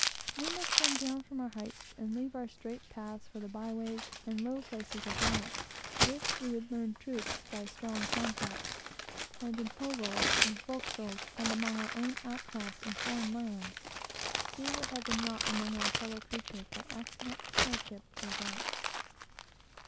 We must come down from our heights, and leave our straight paths, for the byways and low places of life, if we would learn truths by strong contrasts; and in hovels, in forecastles, and among our own outcasts in foreign lands, see what has been wrought upon our fellow creatures by accident, hardship, or vice.